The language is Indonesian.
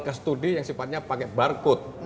custody yang sifatnya pakai barcode